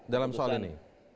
dalam soal ini